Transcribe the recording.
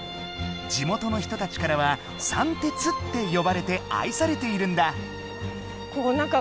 地元の人たちからは「さんてつ」ってよばれてあいされているんだ。